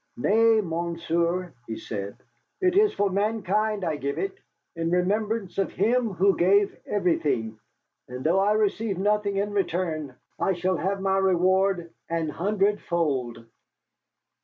"Nay, monsieur," he said, "it is for mankind I give it, in remembrance of Him who gave everything. And though I receive nothing in return, I shall have my reward an hundred fold."